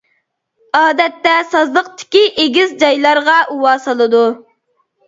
ئادەتتە سازلىقتىكى ئېگىز جايلارغا ئۇۋا سالىدۇ.